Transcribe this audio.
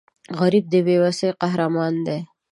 غریب د بې وسۍ قهرمان دی